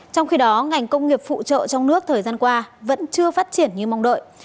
trong khi đó ngành công nghiệp phụ trợ trong nước thời gian qua vẫn chưa phát triển như mong đợi